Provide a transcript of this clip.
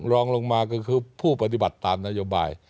รองลงมาก็คือผู้ปฏิบัติตามนโยบาย